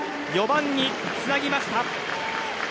４番につなぎました。